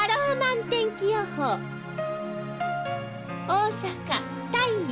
大阪太陽。